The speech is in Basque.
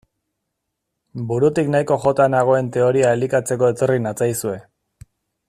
Burutik nahiko jota nagoen teoria elikatzeko etorri natzaizue.